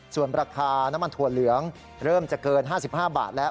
ส่วนราคาน้ำมันถั่วเหลืองเริ่มจะเกิน๕๕บาทแล้ว